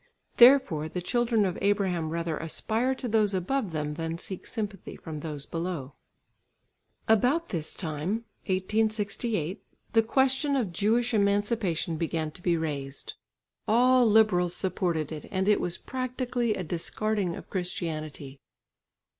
Therefore the children of Abraham rather aspire to those above them, than seek sympathy from those below. About this time (1868) the question of Jewish emancipation began to be raised. All liberals supported it and it was practically a discarding of Christianity.